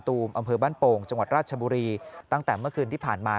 ตูมอำเภอบ้านโป่งจังหวัดราชบุรีตั้งแต่เมื่อคืนที่ผ่านมา